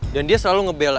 dan dia selalu ngebella